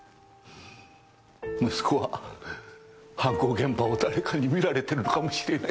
息子は犯行現場を誰かに見られているかもしれない。